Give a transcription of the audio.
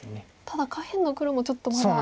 ただ下辺の黒もちょっとまだ。